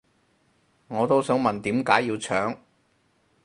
我都想問點解要搶